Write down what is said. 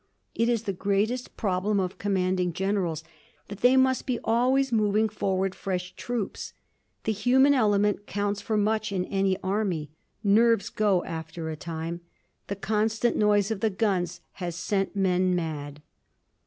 It is the greatest problem of commanding generals that they must be always moving forward fresh troops. The human element counts for much in any army. Nerves go after a time. The constant noise of the guns has sent men mad.